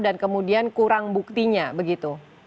dan kemudian kurang buktinya begitu